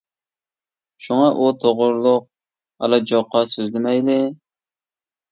شۇڭا ئۇ توغرىلىق ئالا جوقا سۆزلىمەيلى.